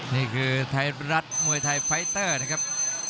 นี่คือไทยรัฐมวยไทยไฟเตอร์นะครับ